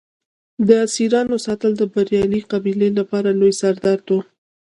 د اسیرانو ساتل د بریالۍ قبیلې لپاره لوی سر درد و.